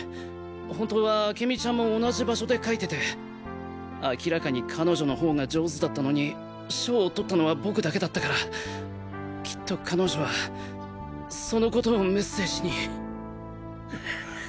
本当は明美ちゃんも同じ場所で描いてて明らかに彼女のほうが上手だったのに賞をとったのは僕だけだったからきっと彼女はそのことをメッセージに。